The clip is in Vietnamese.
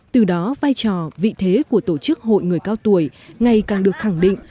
từ đó vai trò vị thế của tổ chức hội người cao tuổi ngày càng được khẳng định